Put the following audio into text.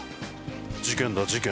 事件だ事件。